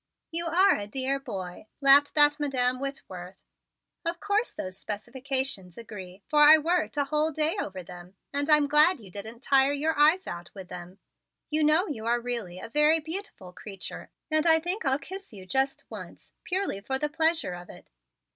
"You are a dear boy," laughed that Madam Whitworth. "Of course those specifications agree, for I worked a whole day over them; and I'm glad you didn't tire your eyes out with them. You know you are really a very beautiful creature and I think I'll kiss you just once, purely for the pleasure of it."